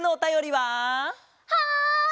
はい！